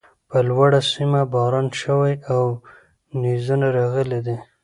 پر لوړۀ سيمه باران شوی او نيزونه راغلي دي